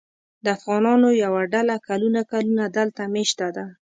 د افغانانو یوه ډله کلونه کلونه دلته مېشته ده.